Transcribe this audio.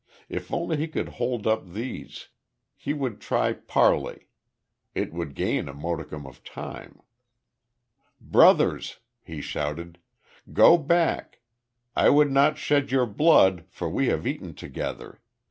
If only he could hold up these. He would try parley. It would gain a modicum of time. "Brothers," he shouted. "Go back. I would not shed your blood, for we have eaten together.